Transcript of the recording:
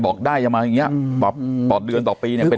บอกได้จะมาอย่างเงี้ยปลอดเงินต่อปีเนี่ยเป็น๒๐ปี